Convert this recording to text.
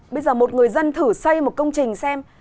bây giờ một người dân thử xây một công trình xem